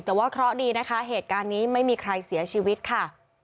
แต่ว่าเคราะห์ดีนะคะเหตุการณ์นี้ไม่มีใครเสียชีวิตค่ะ